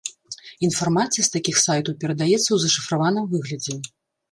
Інфармацыя з такіх сайтаў перадаецца ў зашыфраваным выглядзе.